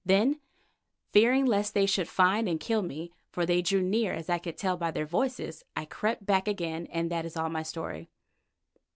Then fearing lest they should find and kill me, for they drew near as I could tell by their voices, I crept back again, and that is all my story."